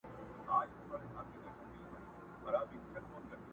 o کوزه په درې پلا ماتېږي!